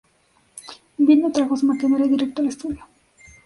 Vino, trajo su maquinaria y directo al estudio.